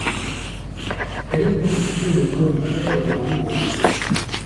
Elle est constituée de conifères et de bouleaux.